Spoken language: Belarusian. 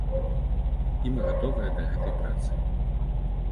І мы гатовыя да гэтай працы.